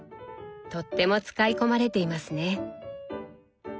とっても使い込まれていますね。